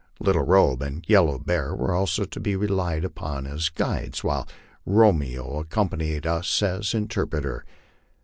Little Robe and Yellow Bear were also to be relied upon as guides, while Romeo accompanied us as interpreter.